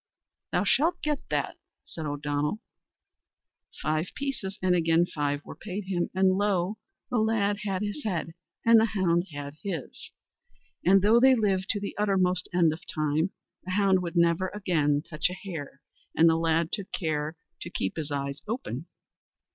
"Thou shalt get that," said O'Donnell. Five pieces and again five were paid him, and lo! the lad had his head and the hound his. And though they lived to the uttermost end of time, the hound would never touch a hare again, and the lad took good care to keep his eyes open.